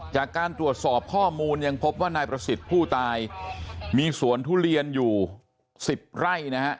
จากการตรวจสอบข้อมูลยังพบว่านายประสิทธิ์ผู้ตายมีสวนทุเรียนอยู่๑๐ไร่นะฮะ